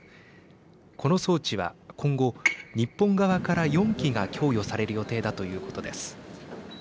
この装置は今後、日本側から４基が供与される予定だということです。